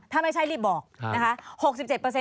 ถ้าไม่ใช่รีบบอกนะคะ๖๗